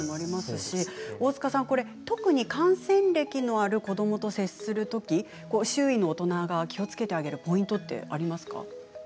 大塚さん、特に感染歴のある子どもと接するとき周囲の大人たちが気をつけるポイントはありますか。